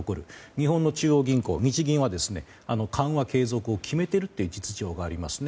日本の中央銀行、日銀は緩和継続を決めているという実情がありますね。